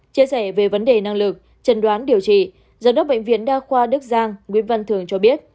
chia sẻ về vấn đề năng lực trần đoán điều trị giám đốc bệnh viện đa khoa đức giang nguyễn văn thường cho biết